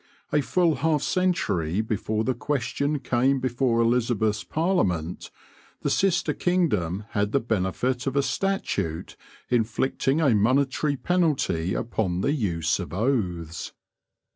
A full half century before the question came before Elizabeth's parliament, the sister kingdom had the benefit of a statute inflicting a monetary penalty upon the use of oaths.